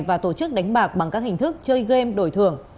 và tổ chức đánh bạc bằng các hình thức chơi game đổi thưởng